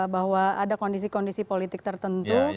bahwa ada kondisi kondisi politik tertentu